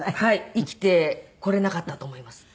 生きてこれなかったと思いますね。